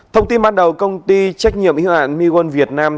thông tin ban đầu công ty trách nhiệm hữu hạn mewon việt nam